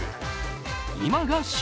今が旬！